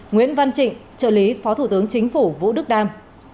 nguyễn văn trịnh trợ lý phó thủ tướng chính phủ vũ đức đam